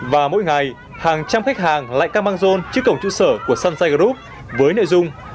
và mỗi ngày hàng trăm khách hàng lại cam băng rôn trước cổng chủ sở của sunshine group với nội dung